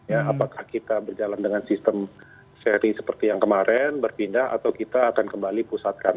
apakah kita berjalan dengan sistem seri seperti yang kemarin berpindah atau kita akan kembali pusatkan